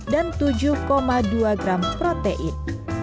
dan tujuh dua gram protein